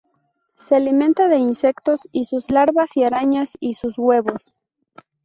Se alimenta de insectos y sus larvas y arañas y sus huevos.